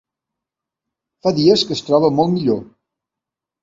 Fa dies que es troba molt millor.